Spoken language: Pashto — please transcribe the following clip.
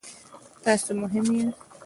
تاسو مهم یاست